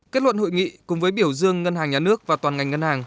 kết luận hội nghị cùng với biểu dương ngân hàng nhà nước và toàn ngành ngân hàng